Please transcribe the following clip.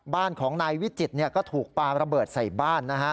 บ้านของนายวิจิตรก็ถูกปลาระเบิดใส่บ้าน